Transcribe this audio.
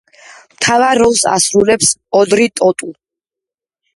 მთავარ როლს ასრულებს ოდრი ტოტუ.